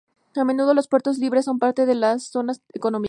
A menudo, los puertos libres son parte de las zonas económicas.